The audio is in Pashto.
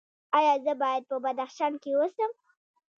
ایا زه باید په بدخشان کې اوسم؟